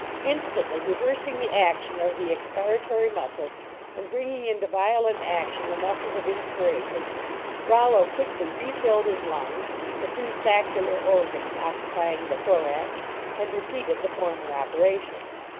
Instantly reversing the action of the expi ratory muscles and bringing into violent action the muscles of inspiration, Rollo quickly re filled his lungs (the two saccular organs occupying the thorax), and repeated the former operation.